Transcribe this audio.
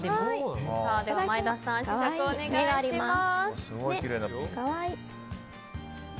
前田さん、試食をお願いします。